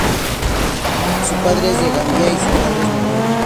Su padre es de Gambia y su madre es noruega.